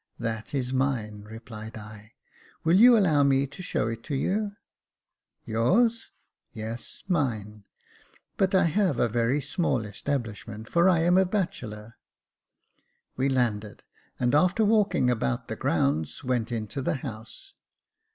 "That is mine," replied I. "Will you allow me to show it to you ?"" Yours !"" Yes, mine : but I have a very small establishment, for I am a bachelor." We landed, and after walking about the grounds, went into the house.